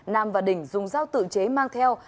nam và đỉnh dùng dao tự chế mang theo